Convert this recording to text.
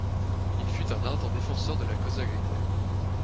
Il fut un ardent défenseur de la cause agricole.